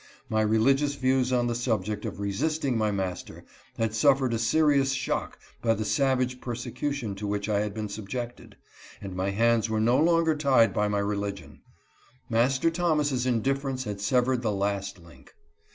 My religious views on the subject of resisting A FIERCE BATTLE. 173 my master had suffered a serious shock by the savage persecution to which I had been subjected, and my hands were no longer tied by my religion. Master Thomas's indif ference had severed the la§t link.